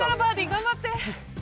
頑張って！